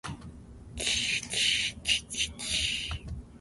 The Greek writings of Philo of Alexandria and Josephus frequently mention this name.